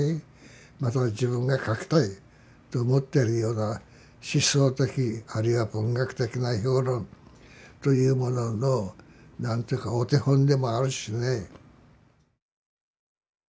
また自分が書きたいと思ってるような思想的あるいは文学的な評論というものの何て言うかお手本でもあるしね。